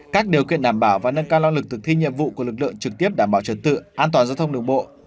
các điều kiện đảm bảo và nâng cao năng lực thực thi nhiệm vụ của lực lượng trực tiếp đảm bảo trật tự an toàn giao thông đường bộ